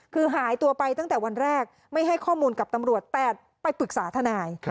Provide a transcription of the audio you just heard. คือหายตัวไปตั้งแต่วันแรกไม่ให้ข้อมูลกับตำรวจแต่ไปปรึกษาทนาย